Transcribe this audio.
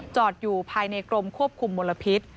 อยู่ภายในกรมควบคุมมลพิษ